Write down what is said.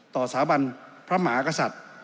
สาบันพระมหากษัตริย์